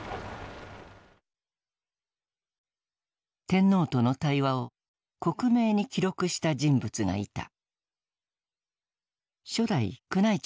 天皇との対話を克明に記録した人物がいた。